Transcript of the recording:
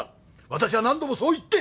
私は何度もそう言って。